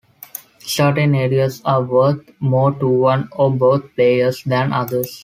Certain areas are worth more to one or both players than others.